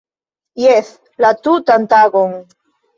- Jes! - La tutan tagon